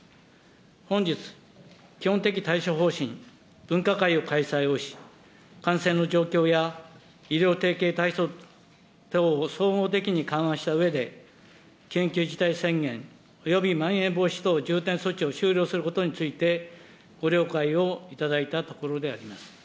本日、基本的対処方針分科会を開催をし、感染の状況や医療提供体制等を総合的に勘案したうえで、緊急事態宣言およびまん延防止等重点措置を終了することについて、ご了解をいただいたところであります。